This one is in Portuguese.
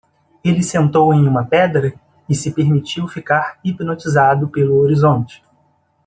Ele sentou em uma pedra? e se permitiu ficar hipnotizado pelo horizonte.